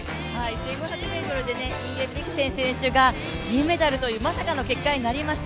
１５００ｍでインゲブリクセン選手が銀メダルというまさかの結果になりました。